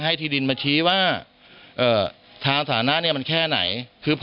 ที่ดินมาชี้ว่าทางสถานะเนี่ยมันแค่ไหนคือ